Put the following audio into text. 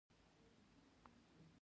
د ټولنې ځینې غړي له دې چلند سره مخ دي.